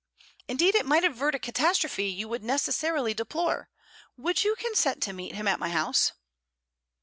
indeed it might avert a catastrophe you would necessarily deplore: would you consent to meet him at my house?'